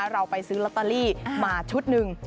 เราไปซื้อลอตเตอรี่มาชุดหนึ่ง